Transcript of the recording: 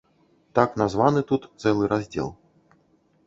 Так названы тут цэлы раздзел.